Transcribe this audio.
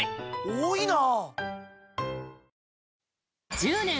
多いな！